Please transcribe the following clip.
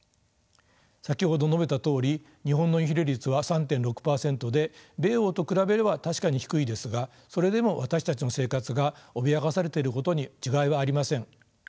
先ほど述べたとおり日本のインフレ率は３．６％で米欧と比べれば確かに低いですがそれでも私たちの生活が脅かされていることに違いはありません。